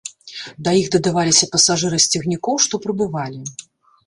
Да іх дадаваліся пасажыры з цягнікоў, што прыбывалі.